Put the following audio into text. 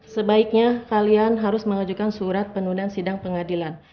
sebaiknya kalian harus mengajukan surat penundaan sidang pengadilan